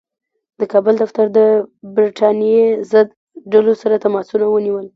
د کابل دفتر د برټانیې ضد ډلو سره تماسونه ونیول.